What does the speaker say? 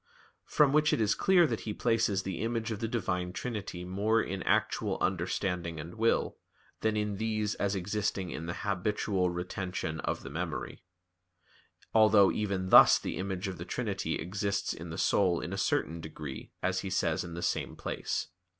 From which it is clear that he places the image of the Divine Trinity more in actual understanding and will, than in these as existing in the habitual retention of the memory; although even thus the image of the Trinity exists in the soul in a certain degree, as he says in the same place.